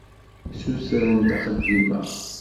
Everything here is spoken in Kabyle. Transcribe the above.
Ssutrent axeddim-a.